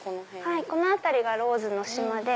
この辺りがローズの島で。